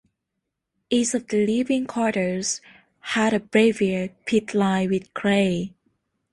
Each of the living quarters had a brazier pit lined with clay.